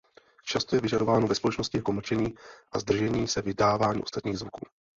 Často je vyžadováno ve společnosti jako mlčení a zdržení se vydávání ostatních zvuků.